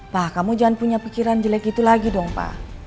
pak kamu jangan punya pikiran jelek itu lagi dong pak